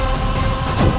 aku akan menang